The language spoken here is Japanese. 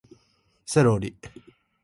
セロリ